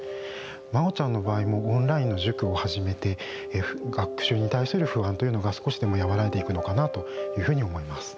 まおちゃんの場合もオンラインの塾を始めて学習に対する不安というのが少しでもやわらいでいくのかなというふうに思います。